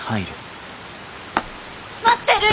待ってるい！